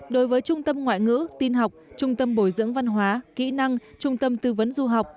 đối với trung tâm ngoại ngữ tin học trung tâm bồi dưỡng văn hóa kỹ năng trung tâm tư vấn du học